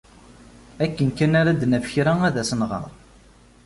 Akken kan ara d-naf kra, ad as-nɣer.